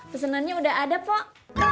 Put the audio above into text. pesenannya udah ada pok